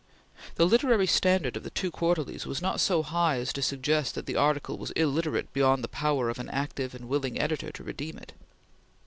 The literary standard of the two Quarterlies was not so high as to suggest that the article was illiterate beyond the power of an active and willing editor to redeem it.